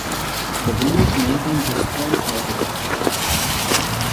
The village maintains its own fire department.